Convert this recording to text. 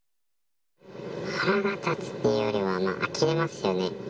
腹が立つっていうよりは、あきれますよね。